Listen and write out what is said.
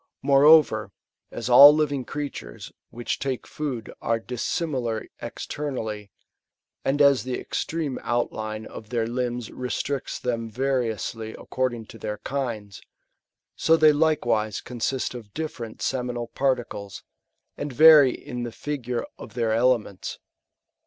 Moreover, as all living crea tures, which take food, are dissimilar externally, and as the extreme outline of their limbs restricts them variously accord ing to their kinds, so th^y likewise consist of different seminal particles, and vary in the figure of their elements.